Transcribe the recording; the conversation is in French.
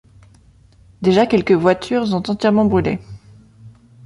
Déjà quelques voitures ont entièrement brûlé.